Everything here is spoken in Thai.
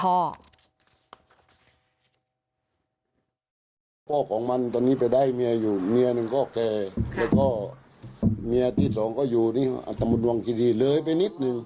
พ่อของมันตอนนี้ไปได้เมียอยู่เมียหนึ่งก็แกแล้วก็เมียที่สองก็อยู่ที่อัตมวังกินีเลยไปนิดนึง